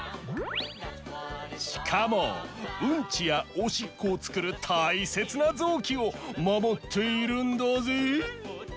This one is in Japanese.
しかもウンチやオシッコをつくるたいせつなぞうきをまもっているんだぜ！